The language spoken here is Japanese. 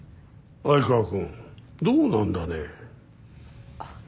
愛川くんどうなんだね？